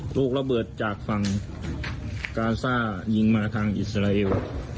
ถูกระเบิดจากฝั่งกาซ่ายิงมาทางอิสราเอล